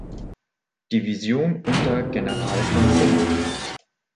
Division unter General von Kummer.